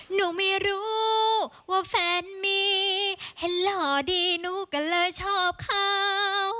หนูไม่รู้ว่าแฟนมีเห็นหล่อดีหนูก็เลยชอบเขา